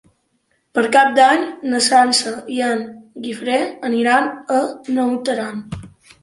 Per Cap d'Any na Sança i en Guifré aniran a Naut Aran.